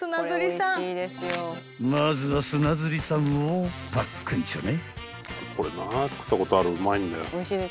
［まずは砂ずりさんをパックンチョね］